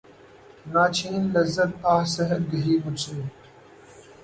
نہ چھین لذت آہ سحرگہی مجھ سے